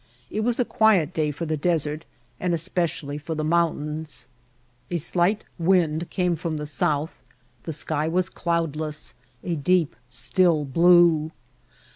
It was a quiet day for the desert and especially for the mountains. A slight wind came from the south ; the sky was cloudless, a deep, still blue.